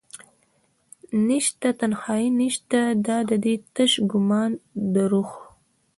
نشته تنهایې نشته دادي تش ګمان دروح